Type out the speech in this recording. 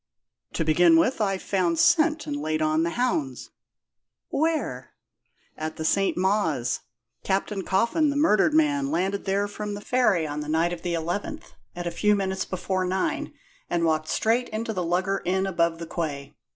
"To begin with, I've found scent and laid on the hounds." "Where?" "At St. Mawes. Captain Coffin, the murdered man, landed there from the ferry on the night of the 11th, at a few minutes before nine, and walked straight to the Lugger Inn, above the quay.